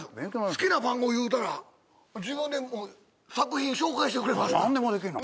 好きな番号言うたら自分で作品紹介してくれますから何でもできんの？